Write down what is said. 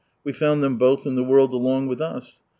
We found them both in the world along with us.